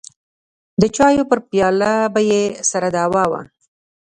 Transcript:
د چايو پر پياله به يې سره دعوه وه.